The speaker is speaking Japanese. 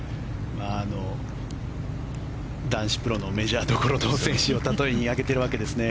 男子プロのメジャーどころの選手を例えに挙げているわけですね。